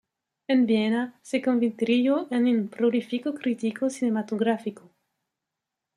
En Viena, se convirtió en un prolífico crítico cinematográfico.